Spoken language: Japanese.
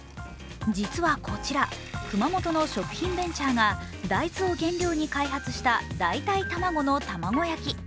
実はこちら熊本の食品ベンチャーが大豆を原料に開発した代替卵の卵焼き。